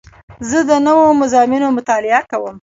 زه د نوو مضامینو مطالعه کوم.